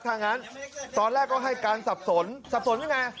ทางนั้นตอนแรกก็ให้กันสับสนสับสนอย่างไร